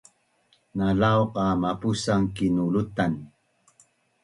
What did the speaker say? Na lau qa mapusan kinulutan